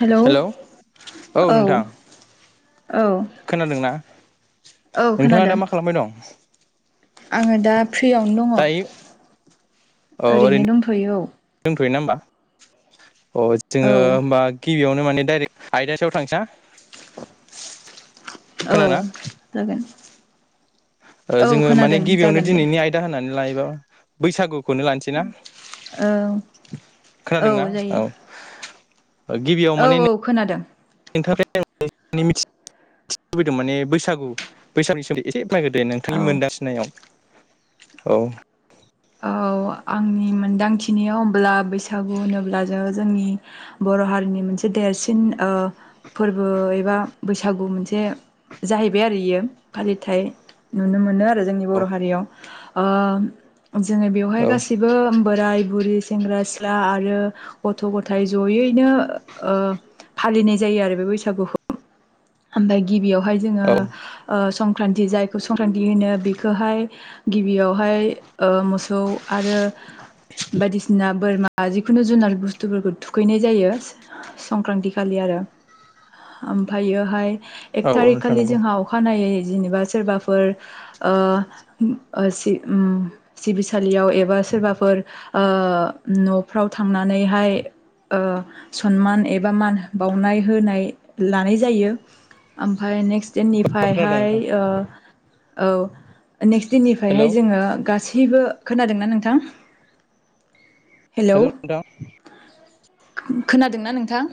हेल' औ। हेलौ औ नोंथां औ खोनादोंना औ नोंथाङा दा खोनादों मा खालामबाय दं आङो दा फ्रियावनो दङ दायो ओरैनो दंथ'यो औ। थयो ना होमबा अ औ जोङो होमबा गिबियावनो माने डाइरेक्ट आयदासायाव थां सां औ खोनादोंना जागोन। ओ औ जोङो माने खोनादों गिबियावनो जागोन दे दिनैनि आयदा होनानै लायोबा बैसागु खौनो लानोसै ना औ खोनादोंना औ औ औ खोनादों। नोंथांफ्राय [inaudible] आं माने मिथि [inaudible] लुबैदों माने बैसागु बैसागुनि सोमोन्दै एसे फोरमायदो दे नोंथांनि औ मोनदांथिनायाव औ औ आंनि मोनदांथिनियाव होमब्ला बैसागु होनोब्ला जोङो जोंनि ब बर' हारिनि मोनसे देरसिन ओ फोरबो एबा बैसागु मोनसे जाहैबाय आरो इयो फालिथाय नुनो मोनो जोंनि औ बर' हारियाव ओ जोङो बेवहाय औ गासिबो बोराय बुरि सेंग्रा सिख्ला आरो गथ' गथाइ जयैनो ओ फालिनाय जायो आरो बे बैसागुखौ ओमफ्राय गिबियावहाय जोङो औ ओ सं क्रान्ति जायखौ संक्रान्ति होनो बेखौहाय गिबियावहाय ओ मोसौ आरो बायदिसिना बोरमा जिखुनु जुनार बुस्थुफोरखौ थुखैनाय जायो संक्रान्ति खालि आरो ओमफ्रायोहाय औ एक थारिक नोंथां खालि नंगौ जोंहा अखानायै जेनोबा सोरबाफोर ओ सि उम सिबिसालियाव एबा सोरबाफोर ओ न'फ्राव थांनानैहाय ओ सनमान एबा मान बावनाय होनाय लानाय जायो ओमफ्राय नेक्स्ट दिन खोनादों निफ्रायहाय नोंथां ओ औ नेक्स्ट हेलौ देननिफ्रायहाय जोङो गासै खोनादोंना नोंथां? हेलौ हेल' नोंथां खोनादोंना नोंथां?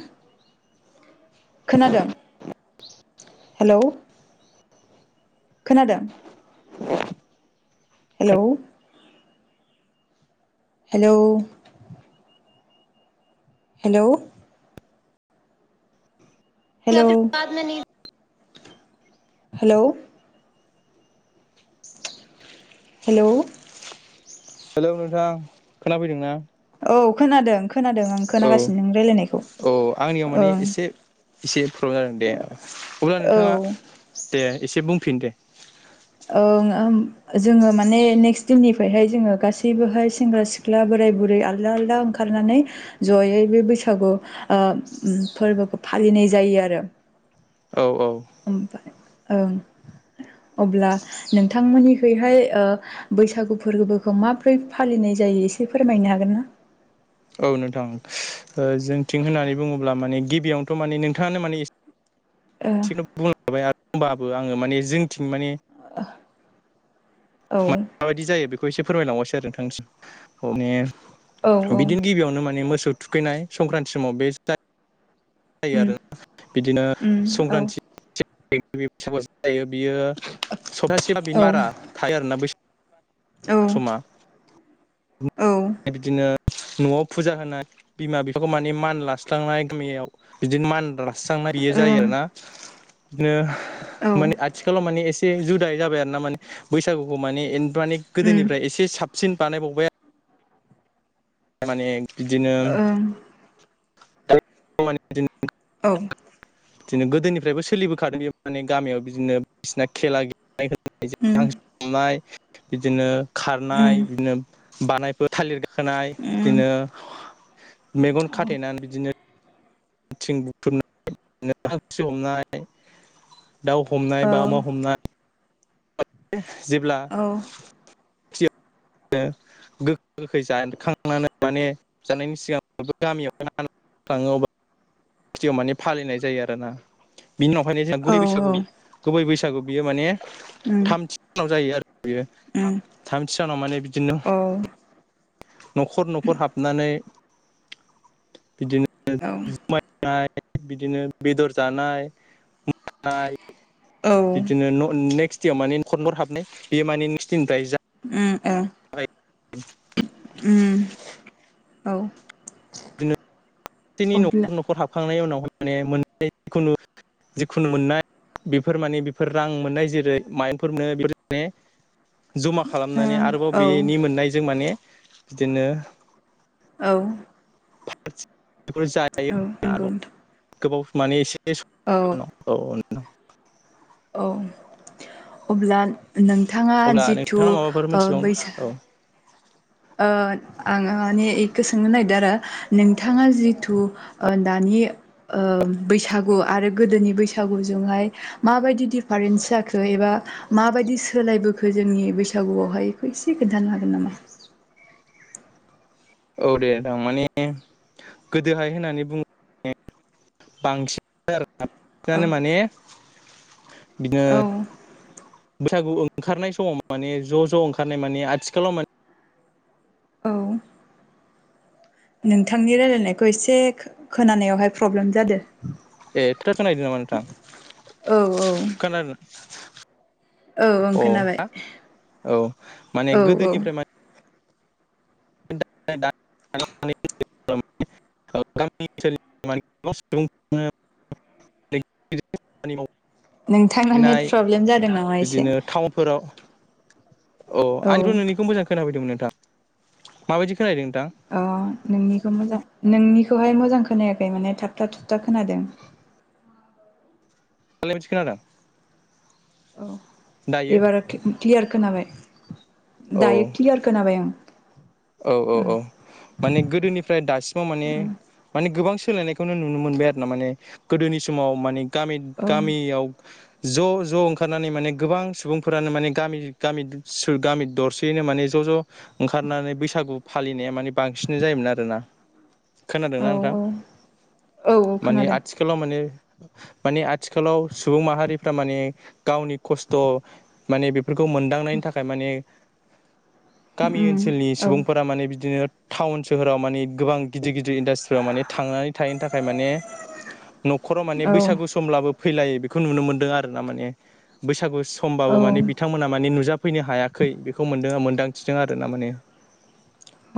खोनादों? [unintelligible] हेल' खोनादों? Hello hello hello hello [unintelligible] hello [inaudible] hello hello नोंथां खोनाफैदों ना? औ खोनादों खोनादों आं खोनागासिनो नों रायलायनायखौ। औ आंनियाव ओ माने एसे एसे प्रब्लेम जादों दे अब्ला औ नोंथाङा दे एसे बुंफिन दे। ओं जोङो माने नेक्स्ट दिननिफ्रायहाय जोङो गासैबोहाय सेंग्रा सिख्ला बोर बोराय बुरै आलदा आलदा ओंखारनानै जयै बे बैसागु ओ फोरबोखौ फा फालिनाय जायो आरो। औ ओमफा ओं अब्ला नोंथांमोननिखैहाय बैसागु फोरबोखौ माब्रै फालि नै जायो एसे फोरमायनो हागोन ना? [inaudible] औ नोंथां जोंथिं होननानै बुङोब्ला माने गिबियावनोथ' माने नोंथाङानो माने एसे एसेनो [unintelligible] होमबाबो आङो माने जोंथिं माने [inaudible] ओ माबायदि जायो बेखौ एसे फोरमायलांबावासै आरो नोंथांनिसिम अने औ औ बिदिनो गिबियावनो माने मोसौ थुखैनाय संक्रान्ति समाव बे जा जायो उम आरो बिदिनो उम औ संक्रान्ति [unintelligible] जायो बियो सप्तासे बा बिनि औ बारा थायो आरोना बै औ समा। औ बिदिनो न'आव फुजा होनाय बिमा बिफाखौ माने मान लास्लांनाय गामियाव बिदिनो मान ला सांना बियो जायो ओं आरोना बिदिनो औ माने आथिखालाव माने एसे से जुदाय जाबाय आरो ना माने बैसागुखौ माने माने उम गोदोनिफ्राय एसे साबसिन बानायबावबाय आरो। माने बिदिनो ओं [unintelligible] [inaudible] बिदिनो गोदोनिफ्रायबो सोलिबोखादों बे माने गामियाव बिदिनो सिना खेला [unintelligible] उम उम बानायफोर थालिर गाखोनाय उम बिदिनो मेगन औ खाथेनानै बिदिनो [unintelligible] दाउ हमनाय बा औ अमा हमनाय जेब्ला औ गो गोखै जाखांनानै माने जानायनि सिगां गामियाव [unintelligible] थाङो स्थियाव माने फालिनाय जायो आरोना बिनि नखानायै जोंहा गुबै औ बैसागु गुबै बैसा सागु बियो माने उम उम औ थामथि सानाव जायो आरो बियो थामथि सानाव माने बिदिनो औ न'खर न'खर हाबनानै बिदिनो औ। जुमायनाय बिदिनो बेदर जानाय [unintelligible] ओ बिदिनो न नेक्स्ट माने न'खर नख'र हाबनाय बेयो माने नेक्सट दिननिफ्राय उम ओ जागायो उम औ। [unintelligible] अब्ला जिखुनु मोननाय बेफोर माने बेफोर रां मोननाय जेरै माइंफोर मोनो बेफोर माने जमा औ खालामनानै आरोबाव बेनि औ मोननायजों माने बिदिनो औ। [inaudible] बेफोर जायो औ आरो नंगौ नोंथां। औ [unintelligible] औ अब्ला नोंथाङा अब्ला जिथु नोंथाङा माबाफोर ओ बैस मिथिबावनो औ ओ आं माने इखौ सोंनो नागिरदों आरो नोंथाङा जिथु ओ दानि ओ बैसागु आरो गोदोनि बैसागु जोंहाय माबायदि दिफारेन्स जाखो खो एबा माबायदि सोलायबोखो जोंनि बैसागुआवहाय बेखौ एसे खोन्थानो हागोन नामा? औ दे ओनथां माने गोदोहाय होननानै बुङो बांसिन आरो ना औ बांसिनानो माने बिदिनो औ बैसागु ओंखारनाय समाव माने ज' ज' ओंखारनाय माने आथिखालाव औ नोंथांनि रायलायनायखौ एसे खोनानायावहाय प्रब्लेम जादो। [unintelligible] अ औ औ औ ओं खोनाबाय। हा अ माने औ औ गोदोनिफ्राय मा [unintelligible] [unintelligible] नोंथांना नेट फैनाय प्रब्लेम जादों नामा एसे बिदिनो टाउनफोराव अ आंथ औ नोंनिखौ मोजां खोनाफै दोंमोन नोंथां माबायदि खोनाहैदों नोंथां अ नोंनिखौ मोजां नोंनिखौहाय मोजां खोनायाखै माने थाबथा थुबथा खोनादों दालाय मादि खोनादों? औ दायो एबार क्लियार खोनाबाय औ दायो क्लियार खोनाबाय आं औ औ औ माने गोदोनिफ्राय दासिमाव माने माने गोबां सोलायनायखौनो नुनो मोनबाय आरो ना माने गोदोनि समाव माने गामि औ गामियाव ज' ज' ओंखारनानै माने गोबां सुबुंफोरानो माने गामि गामि गामि दरसेयैनो माने ज' ज' ज' ओंखारनानै बैसागु फालिनाया माने बांसिन जायोमोन आरोना औ खोनादोंना नोंथां औ औ माने खोनादों आथिखालाव माने माने आथिखालाव सुबुं माहारिफ्रा माने गावनि खस्थ' माने बे फोरखौ मोनदांनायनि थाखाय माने गामि उम ओनसोलनि औ सुबुं बिदिनो टाउन सोहोराव माने गोबां गिदिर गिदिर इन्डास्ट्रिआव माने थांनानै थाहैनो थाखाय माने न'खराव माने औ बैसागु समब्लाबो फैलायै बेखौ नुनो मोनदों आरो ना माने बैसागु समबाबो औ माने बिथांमोना माने नुजाफैनो हायाखै बेखौ मोनदों मोनदांथि थिदों आरो ना माने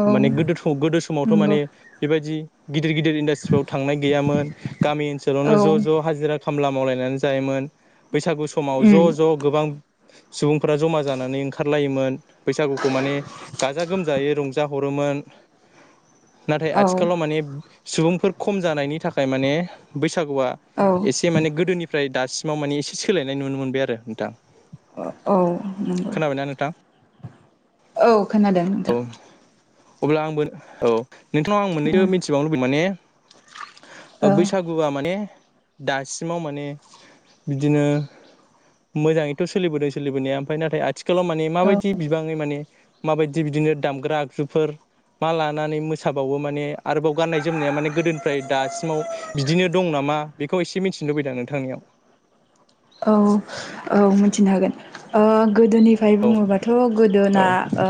औ माने गोदो गोदोथ समावथ' नंगौ माने बेबायदि गिदिर गिदिर इन्डास्ट्रिआव थांनाय गैयामोन गामि ओनसोलावनो औ ज' ज' हाजिरा खामला मावलायनानै जायोमोन बैसागु समाव उम ज' ज' गोबां सुबुंफोरा जमा जानानै ओंखारलायोमोन बैसागुखौ माने गाजा गोमजा जायै रंजा हरोमोन नाथाय औ आथिखालाव माने सुबुंफोर खम जानायनि थाखाय माने बैसागुआ एसे माने गोदोनिफ्राय दा सिमाव माने एसे सोलायनाय नुनो मोनबाय आरो नोंथां औ नंगौ खोनाबायना नोंथां औ खोनादों औ नोंथां अब्ला आंबो औ नोंथांनाव आं मोन्नैसो मिथिबावनो लुबैदों माने औ बैसागुआ माने दासिमाव माने बिदिनो मोजाङैथ' सोलिबोदों सोलिबोनाया ओमफ्राय नाथाय आथिखालाव माने औ माबायदि बिबाङै माने माबायदि दि बिदिनो दामग्रा आगजुफोर मा लानानै मोसाबावो माने आरोबाव गाननाय जोमनाया माने गोदोनिफ्राय दासिमाव बिदिनो दं नामा? मा बेखौ एसे मिथिनो लुबैदों आं नोंथांनियाव औ। औ मिथिनो हागोन ओ गोदोनिफ्राय औ बुङोबाथ' औ गोदोना ओ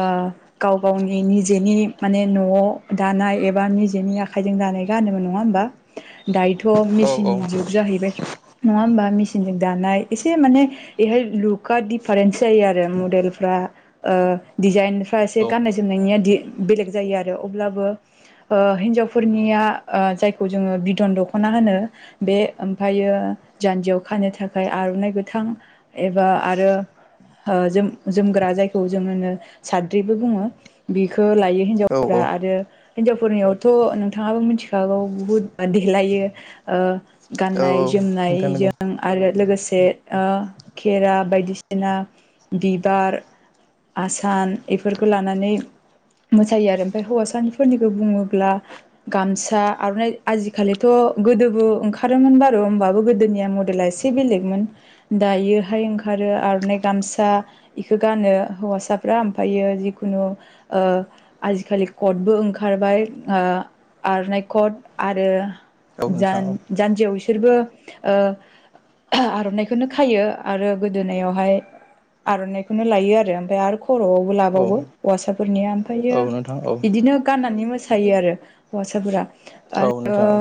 गाव गावनि निजेनि माने न'आव दानाय एबा निजेनि आखाइजों दानाय गाननोमोन नङा होमबा बा। दायोथ' मेचिन औ जुग जाहैबाय नङा होमबा मेचिनजों दानाय एसे माने बेहाय लुकआ डिफारेन्स जायो आरो मडेलफ्रा ओ डिजाइन फ्रा एसे गान्नाय जोमनायनिया। बेलेग जायो आरो अब्लाबो ओ हिनजावफोरनिया ओ जायखौ जोङो बिदन दख'ना। होनो बे ओमफ्रायो जान्जियाव खानो थाखाय आर'नाइ गोथां। एबा आरो। जोमग्रा जायखौ जोङो साद्रिबो बुङो बेखौ। खौ लायो औ हिनजावफ्रा आरो। हिन्जावफोरनियावथ' नोंथाङाबो मिथिखागौ बुहुत देलायो। गाननाय औ नोंथां नंगौ जोमनायजों आरो लोगोसे। खेरा बायदिसिना बिबार। आसान बेफोरखौ लानानै। मोसायो आरो ओमफ्राय हौवासानिफोरनिखौ बुङोब्ला गामसा आर'नाइ आजिखालिथ' गोदोबो ओंखारोमोन बारू होमबाबो गोदोनिया मदेला एसे बेलेगमोन दायोहाय ओंखारो आर'नाइ गामसा बेखौ गानो हौवासाफ्रा ओमफ्रायो जिखुनु आजिखालि कटबो ओंखारबाय आरनाइ कट आरो औ जा नोंथां औ जानजियाव बिसोरबो आर'नाइखौनो। खायो आरो गोदोनायावहाय आर'नाइखौनो लायो आरो ओमफ्राय आरो खर'आवबो लाबावो हौवासाफोरनि ओमफ्रायो औ नोंथां औ बिदिनो गाननानै मो सायो आरो हौवासाफोरा औ आरो नोंथां औ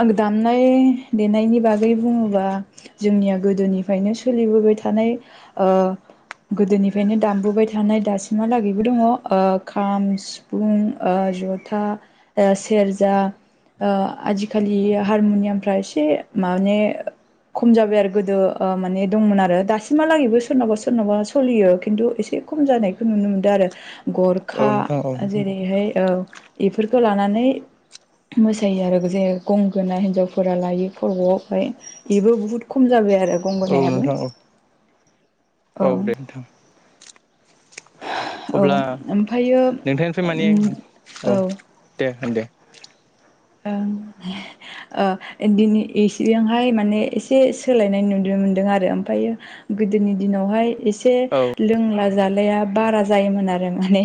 आं दामनाय देनायनि बागै बुङोबा जोंनिया गोदोनिफ्रायनो सोलिबोबाय थानाय गोदोनिफ्रायनो दामबोबाय थानाय दासिमहालागैबो दङ खाम सिफुं जथा ओ सेरजा ओ आजिखालि हारमुनियामफ्रा एसे माने खम जाबाय आरो गोदो ओ माने दंमोन आरो दासिमहालागैबो सोरनावबा सोरनावबा सलियो खिन्थु एसे खम जानायखौ नु मोनदों आरो गरखा औ नोंथां औ जेरैहाय औ बेफोरखौ लानानै मोसायो आरो जे गंगोना हिनजावफोरा लायो खरब'आवहाय बेबो बुहुत खम जाबाय आरो औ गंगोनायाबो नोंथां औ औ दे नोंथां औ अब्ला ओमफ्रायो नोंथांनिफ्राय माने औ दे दे ओ दिनै इसेयावहाय माने एसे सोलायनाय नुनो मोनदों आरो ओमफ्रायो गोदोनि दिनावहाय एसे औ लोंला जालाया‌ बारा जायोमोन आरो माने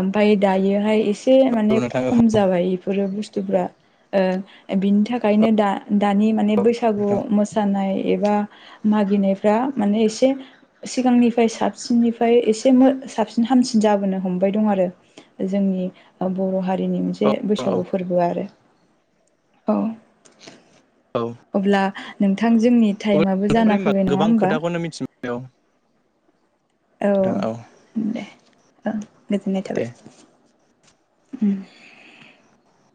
ओमफ्राय दायोहाय से माने नोंथां औ खम जाबाय बेफोर बुस्थुआ बुस्थुफ्रा ओ बिनि थाखायनो दा दानि माने औ बैसागु नोंथां मोसानाय एबा मागिनायफ्रा माने एसे सिगांनिफ्राय साबसिननिफ्राय एसे साबसिन हामसिन जाबोनो हमबाय दं आरो जोंनि बर' हारिनि मोनसे औ औ अब्ला बैसागु फोरबो आरो औ अब्ला नोंथां जोंनि टाइम आबो जाना नोंथांनिफ्राय होनबा फैबाय नङा गोबां होमबा? खोथाखौनो मिथिबाय औ औ दे औ गोजोननाय दे थाबाय उम [inaudible]